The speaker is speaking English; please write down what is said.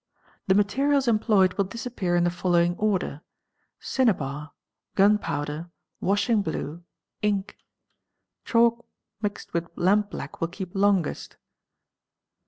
The materials employed will disappear in the following order, cinnabar, gun powder, washing blue, ink; chalk mixed with lampblack will keep longest.